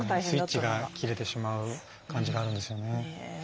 スイッチが切れてしまう感じがあるんですよね。